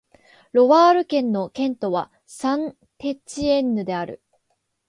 ロワール県の県都はサン＝テチエンヌである